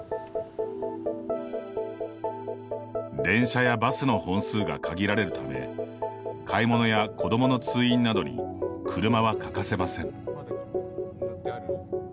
電車やバスの本数が限られるため買い物や子どもの通院などに車は欠かせません。